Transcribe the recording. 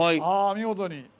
見事に。